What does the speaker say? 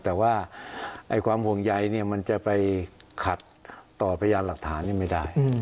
แต่ว่าความห่วงใยมันจะไปขัดต่อพระยาศาสตร์หลักฐานไม่ได้